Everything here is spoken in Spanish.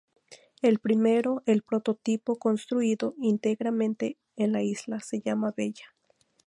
El primero, el prototipo, construido íntegramente en la isla, se llama Bella.